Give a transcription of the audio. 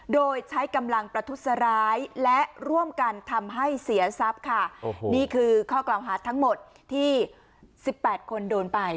โดยใช้กำลังประทุษร้ายและร่วมกันทำให้เสียทรัพย์ค่ะโอ้โหนี่คือข้อกล่าวหาทั้งหมดที่สิบแปดคนโดนไป